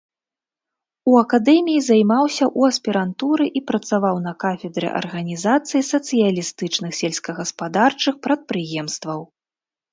У акадэміі займаўся ў аспірантуры і працаваў на кафедры арганізацыі сацыялістычных сельскагаспадарчых прадпрыемстваў.